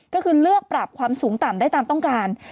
ก็คือเลือกปรับความสูงต่ำได้ตามต้องการ